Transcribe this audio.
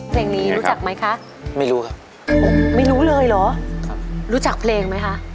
เพลงนี้รู้จักไหมคะไม่รู้ครับผมไม่รู้เลยเหรอครับรู้จักเพลงไหมคะ